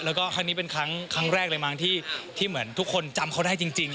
แล้วก็ครั้งนี้เป็นครั้งแรกเลยมั้งที่เหมือนทุกคนจำเขาได้จริง